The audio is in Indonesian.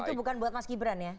jadi itu bukan buat mas gibran ya